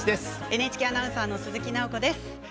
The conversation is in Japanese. ＮＨＫアナウンサーの鈴木奈穂子です。